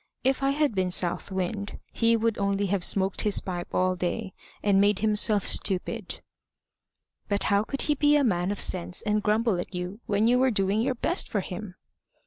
If I had been South Wind, he would only have smoked his pipe all day, and made himself stupid." "But how could he be a man of sense and grumble at you when you were doing your best for him?"